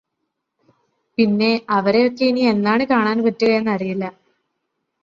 പിന്നെ അവരെയൊക്കെ ഇനിയെന്നാണ് കാണാൻ പറ്റുകയെന്നറിയില്ലാ